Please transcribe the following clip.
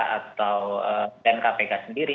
atau dan kpk sendiri